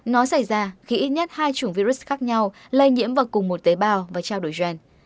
nó xảy ra khi ít nhất hai chủng virus khác nhau lây nhiễm vào cùng một tế bào và trao đổi gen